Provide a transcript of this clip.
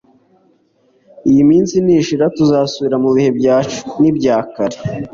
Iyi minsi nishira tuzasubira mu bihe byacu nk’ibyakera